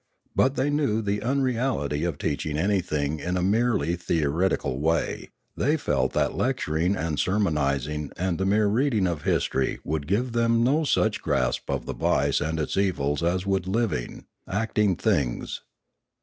But they knew the unreality of teaching anything in a merely theoreti cal way; they felt that lecturing and sermonising and the mere reading of history would give them no such grasp of the vice and its evils as would living, acting things.